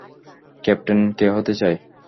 Captain কে হতে চায়?